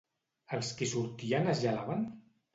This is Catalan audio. Els qui sortien es gelaven?